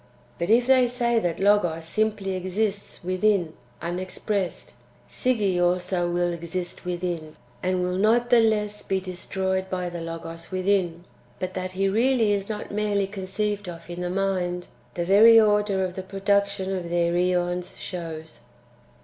But if they say that Logos simply exists within^ (unexpressed), Sige also will exist within, and will not the less be destroyed by the Logos within. But that he really is not merely conceived of in the mind, the very order of the production of their (iEons) shows.